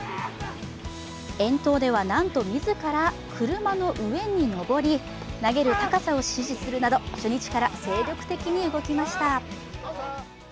遠投ではなんと自ら車の上に登り投げる高さを指示するなど初日から精力的に動きました。